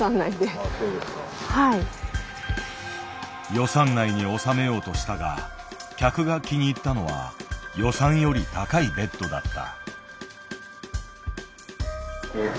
予算内に収めようとしたが客が気に入ったのは予算より高いベッドだった。